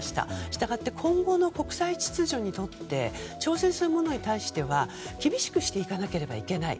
したがって、今後の国際秩序に挑戦するものに対しては厳しくしていかなければいけない。